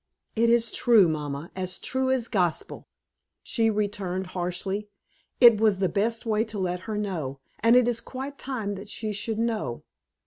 "It is true, mamma as true as gospel!" she returned, harshly. "It was the best way to let her know; and it is quite time that she should know.